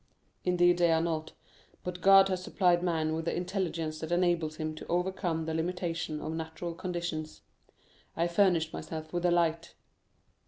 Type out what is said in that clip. "Indeed they are not; but God has supplied man with the intelligence that enables him to overcome the limitations of natural conditions. I furnished myself with a light."